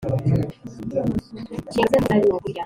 inshingano ze na Minisitiri w Imari nukurya